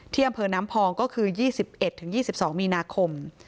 อำเภอน้ำพองก็คือ๒๑๒๒มีนาคม